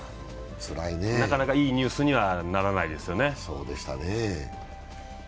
なかなかいいニュースにはならないですよね。